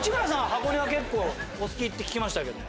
箱根は結構お好きって聞きましたけど。